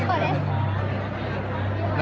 อะไรอะ